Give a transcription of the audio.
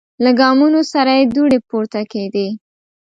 له ګامونو سره یې دوړې پورته کیدې.